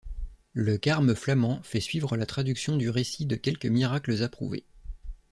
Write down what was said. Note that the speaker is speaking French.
Le carme flamand fait suivre la traduction du récit de quelques miracles approuvés.